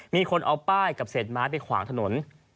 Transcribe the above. มีคนเอาป้ายกับเศษไม้ไปขวางถนน